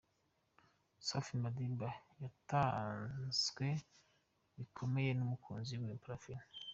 Safi Madiba yatatswe bikomeye n’umukunzi we Parfine.